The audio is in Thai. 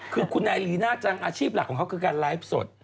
คือคุณนายลีน่าจังอาชีพหลักของเขาคือการไลฟ์สด